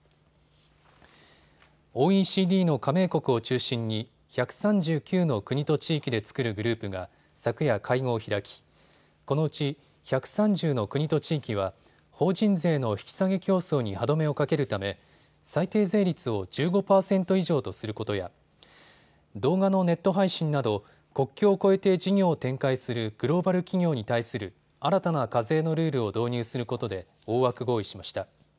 ＯＥＣＤの加盟国を中心に１３９の国と地域で作るグループが昨夜、会合を開きこのうち１３０の国と地域は法人税の引き下げ競争に歯止めをかけるため最低税率を１５％以上とすることや動画のネット配信など国境を越えて事業を展開するグローバル企業に対する新たな課税のルールを導入することで大枠合意しました。